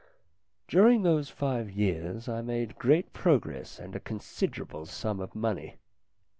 During those five years I made great progress and a considerable sum of money.